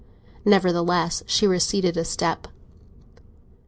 Nevertheless, she receded a step.